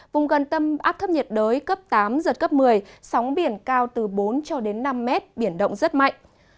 vùng gần tâm áp thấp nhiệt đới cấp tám giật cấp một mươi sóng biển cao từ bốn năm m biển động rất mạnh